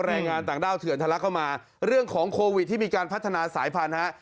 แรงงานต่างด้าวเถื่อนทะลักเข้ามาเรื่องของโควิดที่มีการพัฒนาสายพันธุ์ฮะ